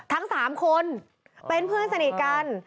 ทั้ง๓คนเป็นเพื่อนสนิทกัน